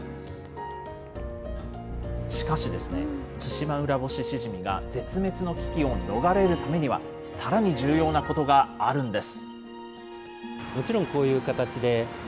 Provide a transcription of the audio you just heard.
しかしですね、ツシマウラボシシジミが絶滅の危機を逃れるためには、さらに重要なことがあるんです。